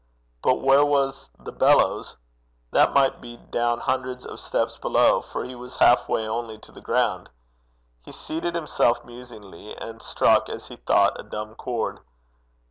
But where was the bellows? That might be down hundreds of steps below, for he was half way only to the ground. He seated himself musingly, and struck, as he thought, a dumb chord.